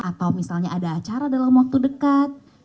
atau misalnya ada acara dalam waktu dekat